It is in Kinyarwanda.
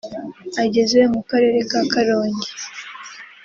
Ageze mu karere ka Karongi